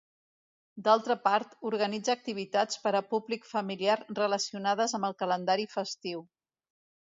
D’altra part, organitza activitats per a públic familiar relacionades amb el calendari festiu.